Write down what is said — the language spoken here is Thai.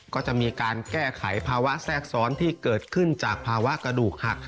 ก็จะมีการแก้ไขภาวะแทรกซ้อนที่เกิดขึ้นจากภาวะกระดูกหัก